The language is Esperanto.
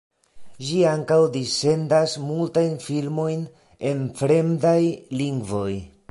Ĝi ankaŭ dissendas multajn filmojn en fremdaj lingvoj.